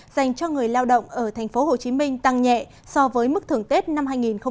dành cho người lao động ở tp hcm tăng nhẹ so với mức thưởng tết năm hai nghìn một mươi chín